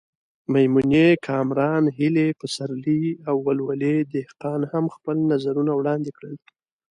میمونې کامران، هیلې پسرلی او ولولې دهقان هم خپل نظرونه وړاندې کړل.